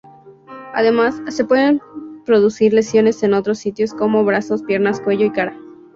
Además, se pueden producir lesiones en otros sitios como brazos, piernas, cuello y cara.